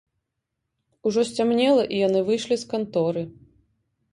Ужо сцямнела, і яны выйшлі з канторы.